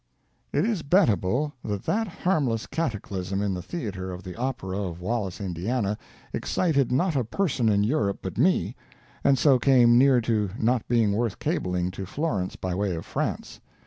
It is bettable that that harmless cataclysm in the theater of the opera of Wallace, Indiana, excited not a person in Europe but me, and so came near to not being worth cabling to Florence by way of France.